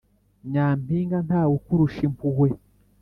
Nyampinga ntawe ukurusha impuhwe